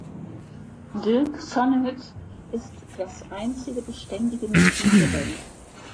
Dirk Sonnet ist das einzige beständige Mitglied der Band.